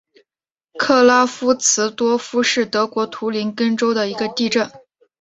克拉夫茨多夫是德国图林根州的一个市镇。